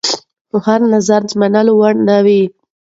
خو هر نظر د منلو وړ نه وي.